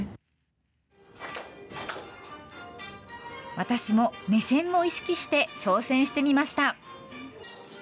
私も、目線を意識して挑戦してみました。